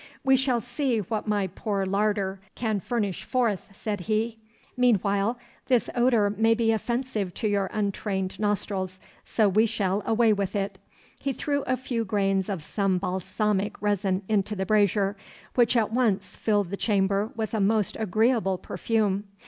'We shall see what my poor larder can furnish forth,' said he. 'Meanwhile, this odour may be offensive to your untrained nostrils, so we shall away with it. He threw a few grains of some balsamic resin into the brazier, which at once filled the chamber with a most agreeable perfume.